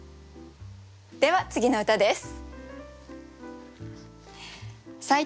では次の歌です。